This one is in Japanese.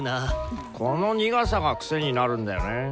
この苦さが癖になるんだよね。